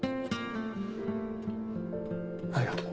ありがとう。